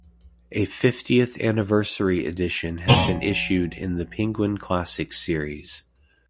A "Fiftieth anniversary" edition has been issued in the Penguin Classics series.